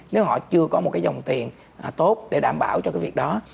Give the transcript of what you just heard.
nếu họ chưa có một cái dòng tiền tốt để đảm bảo cho cái việc đó